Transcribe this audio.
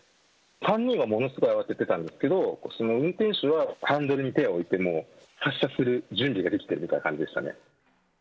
３人はものすごい慌ててたんですけど、その運転手はハンドルに手を置いて、もう発車する準備ができてるみたいな感じでしたね。